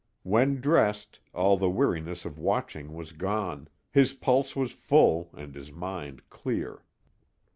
When dressed, all the weariness of watching was gone, his pulse was full and his mind clear.